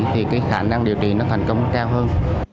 thì cái khả năng điều trị nó thành công cao hơn